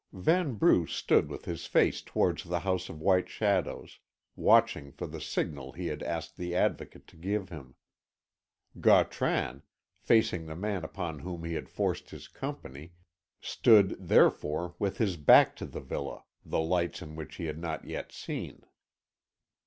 Vanbrugh stood with his face towards the House of White Shadows, watching for the signal he had asked the Advocate to give him. Gautran, facing the man upon whom he had forced his company, stood, therefore, with his back to the villa, the lights in which he had not yet seen.